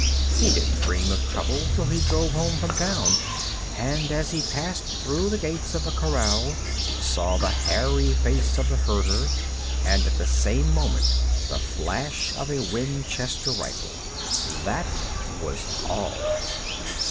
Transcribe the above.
He didn't dream of trouble till he drove home from town, and, as he passed through the gates of a corral, saw the hairy face of the herder, and at the same moment the flash of a Winchester rifle. That was all.